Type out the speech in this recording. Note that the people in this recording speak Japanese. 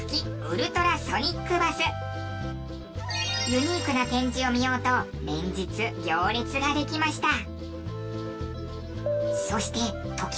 ユニークな展示を見ようと連日行列ができました。